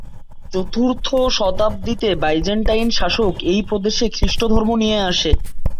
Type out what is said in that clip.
চতুর্থ শতাব্দীতে বাইজেন্টাইন শাসক এই প্রদেশে খ্রিস্টধর্ম নিয়ে আসে।